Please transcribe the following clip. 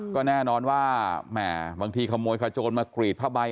ก็แน่นอนว่าแหม่บางทีขโมยขโจนมากรีดผ้าใบ